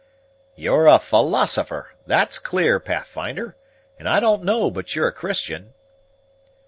"You're a philosopher, that's clear, Pathfinder; and I don't know but you're a Christian."